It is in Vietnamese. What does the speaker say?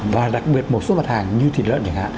và đặc biệt một số vật hàng như thịt lợn